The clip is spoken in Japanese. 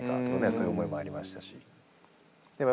そういう思いもありましたし。